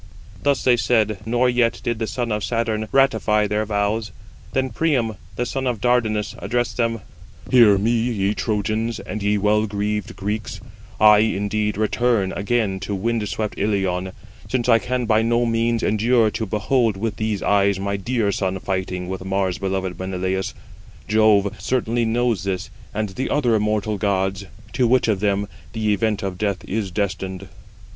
Thus they said, nor yet did the son of Saturn ratify [their vows]. Then Priam, the son of Dardanus, addressed them: "Hear me, ye Trojans, and ye well greaved Greeks: I, indeed, return again to wind swept Ilion, since I can by no means endure to behold with these eyes my dear son fighting with Mars beloved Menelaus. Jove, certainly, knows this, and the other immortal gods, to which of them the event of death is destined."